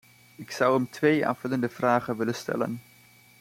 Ik zou hem twee aanvullende vragen willen stellen.